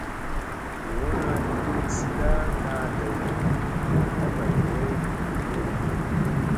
Yoona tun siida kaa day ka bay yow ki tuwa.